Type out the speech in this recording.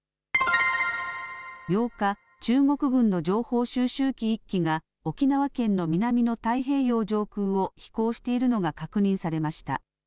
８日、中国軍の情報収集機１機が沖縄県の南の太平洋上空を飛行しているのが確認されました。